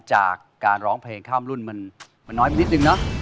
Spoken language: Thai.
จากการร้องเพลงข้ามรุ่นมันน้อยไปนิดนึงเนอะ